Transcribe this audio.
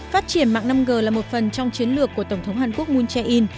phát triển mạng năm g là một phần trong chiến lược của tổng thống hàn quốc moon jae in